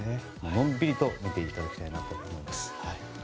のんびりと見ていただきたいなと思います。